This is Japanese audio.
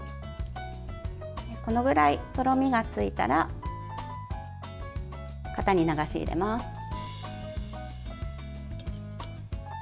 このぐらいとろみがついたら型に流し入れます。